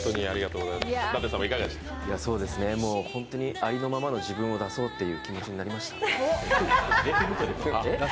もうホントに、ありのままの自分を出そうっていう気持ちになりました。